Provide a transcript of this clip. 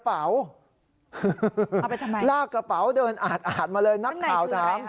อะไรฮะ